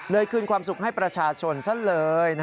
คืนความสุขให้ประชาชนซะเลย